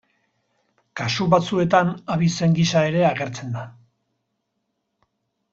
Kasu batzuetan abizen gisa era agertzen da.